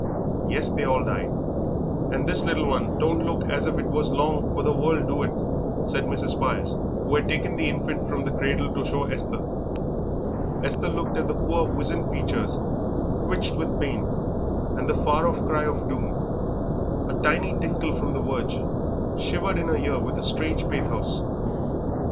"Yes, they all died; and this little one don't look as if it was long for the world, do it?" said Mrs. Spires, who had taken the infant from the cradle to show Esther. Esther looked at the poor wizened features, twitched with pain, and the far off cry of doom, a tiny tinkle from the verge, shivered in the ear with a strange pathos.